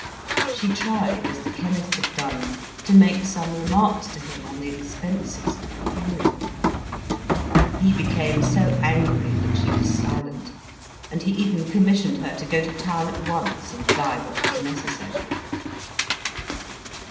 She tried, as the chemist had done, to make some remarks to him on the expenses of the funeral. He became so angry that she was silent, and he even commissioned her to go to town at once and buy what was necessary.